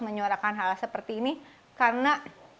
menyuarakan hal hal seperti ini karena